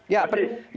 ya terima kasih